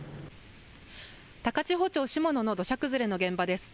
高千穂町下野の土砂崩れの現場です。